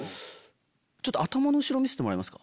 頭の後ろ見せてもらえますか？